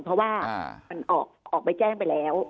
เพราะว่ามันออกไปแจ้งไปแล้ว